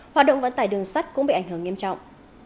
hoạt động vận tải đường sắt cũng bị ảnh hưởng nghiêm trọng